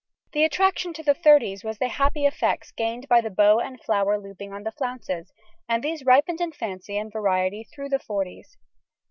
The attraction to the thirties was the happy effects gained by the bow and flower looping on the flounces, and these ripened in fancy and variety through the forties.